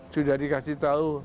sudah dikasih tahu